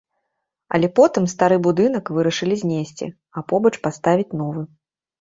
Але потым стары будынак вырашылі знесці, а побач паставіць новы.